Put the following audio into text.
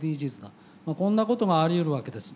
こんなことがありうるわけです。